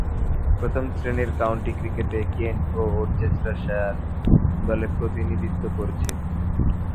প্রথম-শ্রেণীর কাউন্টি ক্রিকেটে কেন্ট ও ওরচেস্টারশায়ার দলে প্রতিনিধিত্ব করেছেন।